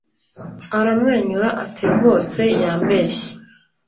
aramwenyura ati!rwose yambeshye